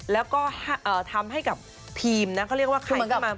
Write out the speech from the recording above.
แล้วก็ทำให้กับทีมนะเขาเรียกว่าใครก็มา